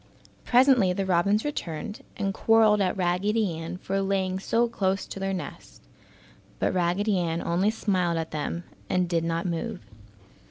Presently the robins returned and quarreled at Raggedy Ann for laying so close to their nest, but Raggedy Ann only smiled at them and did not move.